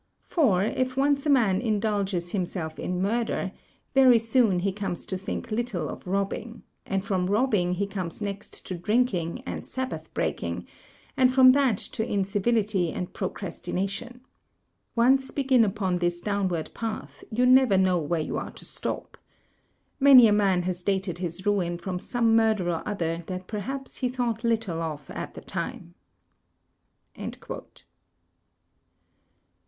For, if once a man indulges himself in murder, very soon he comes to think little of rob MURDER IN GENERAL 227 bing; and from robbing he comes next to drinking and Sab bath breaking, and from that to incivility and procrasti nation. Once begin upon this downward path, you never know where you are to stop. Many a man has dated his ruin from some murder or other that perhaps he thought little of at the time."